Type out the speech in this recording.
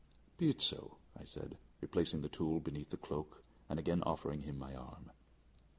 "Be it so," I said, replacing the tool beneath the cloak and again offering him my arm.